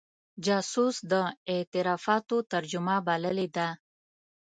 جاسوس د اعترافاتو ترجمه بللې ده.